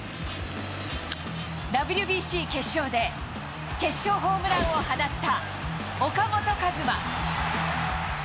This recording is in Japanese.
ＷＢＣ決勝で決勝ホームランを放った岡本和真。